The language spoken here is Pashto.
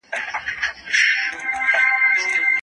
هغه بايد په ډاډه زړه دا بهترين او مهم ژوند ته دوام ورکړي.